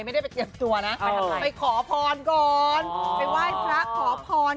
ไม่ได้ไปเตรียมตัวนะไปทำอะไรไปขอพรก่อนอ๋อไปไหว้พระขอพร